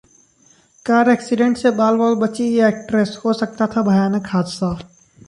car accident से बाल-बाल बचीं ये एक्ट्रेस, हो सकता था भयानक हादसा